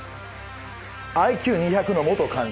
ＩＱ２００の元官僚。